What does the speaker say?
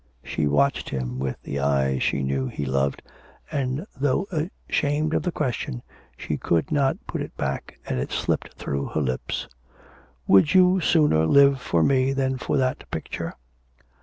She watched him with the eyes she knew he loved, and though ashamed of the question, she could not put it back, and it slipped through her lips. 'Would you sooner live for me than for that picture?'